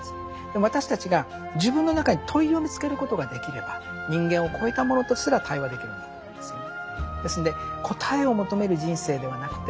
でも私たちが自分の中に「問い」を見つけることができれば人間を超えたものとすら対話できるんだと思うんですよね。